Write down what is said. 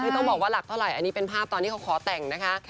คือต้องบอกว่าหลักเท่าไหร่อันนี้เป็นภาพตอนที่เขาขอแต่งนะคะ